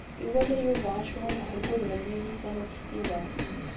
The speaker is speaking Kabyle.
Iwala Yuba acmumeḥ deg wudem n Milisa n At Ksila.